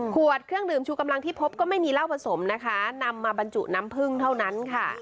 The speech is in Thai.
เครื่องดื่มชูกำลังที่พบก็ไม่มีเหล้าผสมนะคะนำมาบรรจุน้ำผึ้งเท่านั้นค่ะ